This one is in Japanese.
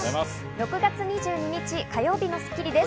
６月２２日、火曜日の『スッキリ』です。